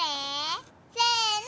せの！